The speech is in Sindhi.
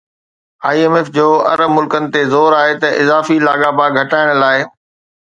آءِ ايم ايف جو عرب ملڪن تي زور آهي ته اضافي لاڳاپا گهٽائڻ لاءِ